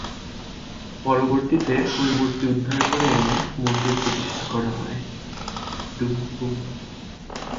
পরবর্তীতে ঐ মূর্তি উদ্ধার করে এনে মন্দির প্রতিষ্ঠা করে।